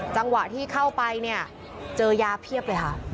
จังหวะที่เข้าไปเนี่ยเจอยาเพียบเลยค่ะ